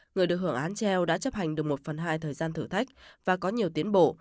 người được hưởng án treo đã chấp hành được một phần hai thời gian thử thách và có nhiều tiến bộ